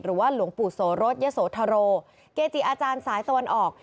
หรือว่าหลวงปู่โสรสเย้โสธโรเกจีอาจารย์สายตะวันออก